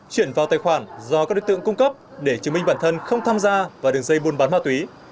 chuyển vào tài khoản do các đối tượng cung cấp để chứng minh bản thân không tham gia vào đường dây buôn bán ma túy